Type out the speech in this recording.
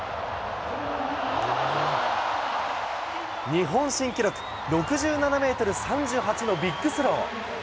日本新記録、６７メートル３８のビッグスロー。